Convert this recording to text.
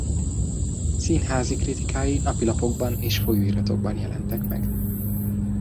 Színházi kritikái napilapokban és folyóiratokban jelentek meg.